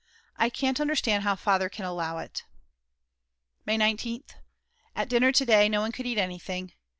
I can't understand how Father can allow it! May 19th. At dinner to day no one could eat anything.